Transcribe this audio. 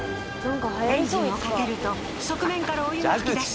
エンジンをかけると側面からお湯が噴き出し